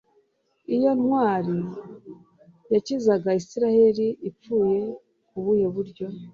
iyo ntwari yakizaga israheli, ipfuye ku buhe buryo